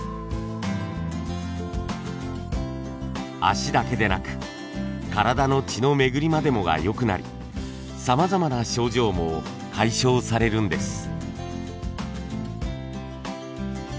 足だけでなく体の血の巡りまでもが良くなりさまざまな症状も解消されるんです。